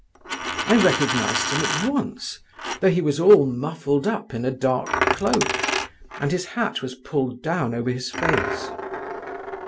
I recognised him at once, though he was all muffled up in a dark cloak, and his hat was pulled down over his face.